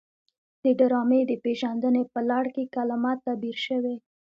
د ډرامې د پیژندنې په لړ کې کلمه تعبیر شوې.